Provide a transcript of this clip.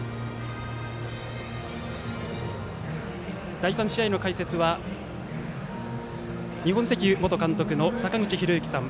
第３試合の解説は日本石油元監督の坂口裕之さん。